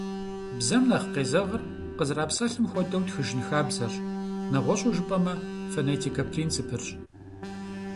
Бзэм нэхъ къезэгъыр къызэрапсэлъым хуэдэу тхыжын хабзэрщ, нэгъуэщӏу жыпӏэмэ, фонетикэ принципырщ.